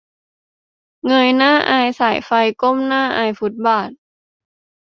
"เงยหน้าอายสายไฟ ก้มหน้าอายฟุตบาท"